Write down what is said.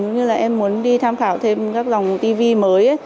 như là em muốn đi tham khảo thêm các dòng tv mới